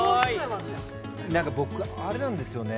マジ何か僕あれなんですよね